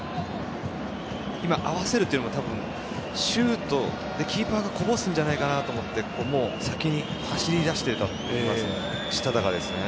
今、合わせるというのがシュート、キーパーがこぼすんじゃないかなと思って先に走り出していたと思いますね